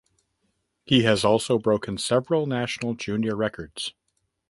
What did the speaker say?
He has also broken several national junior records.